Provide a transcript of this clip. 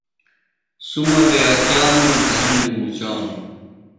سُمہ وے اچانوۡ، دھرندیۡ مُچانوۡ